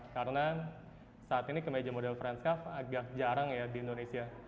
karena saat ini kemeja model french cuff agak jarang ya di indonesia